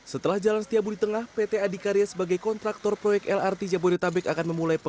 saya lihat bapak mau belok ke kiri